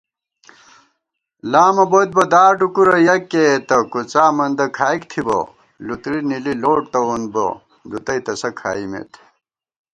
لامہ بوئیت بہ دار ڈکُورہ یَک کېئیتہ کُڅا مندہ کھائیک تھِبہ * لُتری نِلی لوٹ تَوون بہ دُتَئ تسہ کھائیمېت